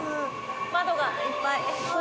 窓がいっぱい。